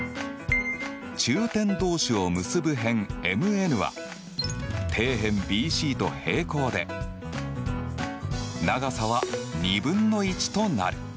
中点同士を結ぶ辺ＭＮは底辺ＢＣと平行で長さは２分の１となる。